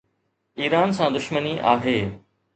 Iran سان دشمني آهي.